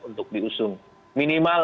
untuk diusung minimal